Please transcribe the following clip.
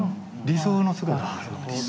理想の姿。